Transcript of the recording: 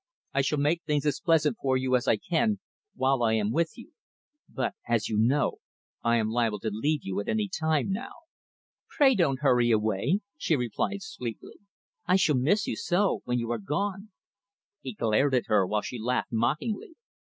I shall make things as pleasant for you as I can, while I am with you, but, as you know, I am liable to leave you at any time, now." "Pray don't hurry away," she replied sweetly. "I shall miss you so when you are gone." He glared at her while she laughed mockingly.